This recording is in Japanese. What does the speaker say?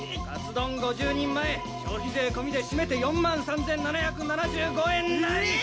カツ丼５０人前消費税込みでしめて４万３７７５円なり！